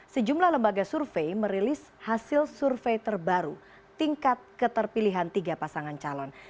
sejumlah lembaga survei merilis hasil survei terbaru tingkat keterpilihan tiga pasangan calon